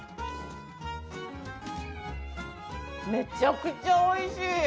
めちゃくちゃ美味しい！